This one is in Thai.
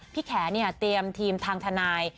พี่แขนี่เตรียมทีมทางทนาย